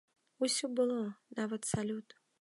Усё было, нават салют.